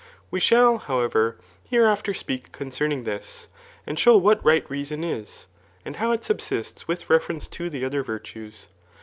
We shall, how ever, hereafter speak concerning this, and show what right reason is, ^ and how it subsists with reference to the other virtues.